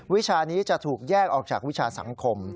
วิชานี้จะถูกแยกออกจากวิชาสังคม